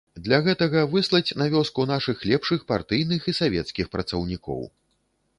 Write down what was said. Для гэтага выслаць на вёску нашых лепшых партыйных і савецкіх працаўнікоў.